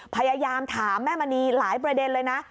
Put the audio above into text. พยายามถามแม่มณีหลายประเด็นเลยนะ